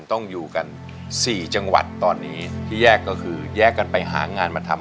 ต้องอยู่กันสี่จังหวัดตอนนี้ที่แยกก็คือแยกกันไปหางานมาทำ